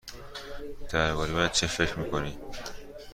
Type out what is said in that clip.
درباره من چه فکر می کنی؟